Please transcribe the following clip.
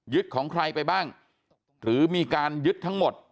ของใครไปบ้างหรือมีการยึดทั้งหมด